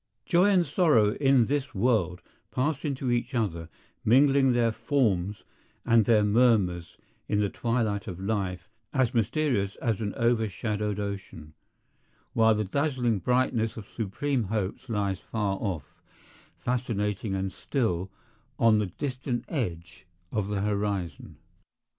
Joy and sorrow in this world pass into each other, mingling their forms and their murmurs in the twilight of life as mysterious as an overshadowed ocean, while the dazzling brightness of supreme hopes lies far off, fascinating and still, on the distant edge of the horizon.